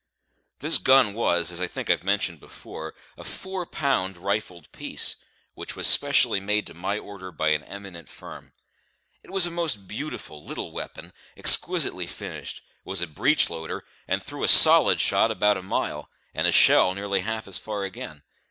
This gun was, as I think I have mentioned before, a four pound rifled piece, which was specially made to my order by an eminent firm. It was a most beautiful little weapon, exquisitely finished; was a breech loader, and threw a solid shot about a mile, and a shell nearly half as far again.